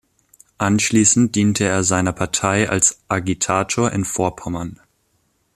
Anschließend diente er seiner Partei als Agitator in Vorpommern.